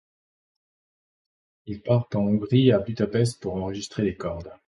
Il part en Hongrie à Budapest pour enregistrer les cordes.